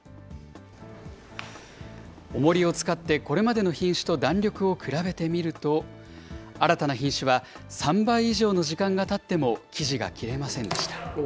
おもりを使ってこれまでの品種と弾力を比べてみると、新たな品種は３倍以上の時間がたっても、生地が切れませんでした。